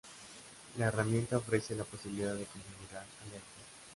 La herramienta ofrece la posibilidad de configurar alertas.